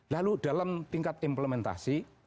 lalu dalam tingkat implementasi